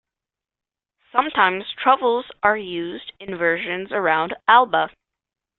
Sometimes, truffles are used in versions around Alba.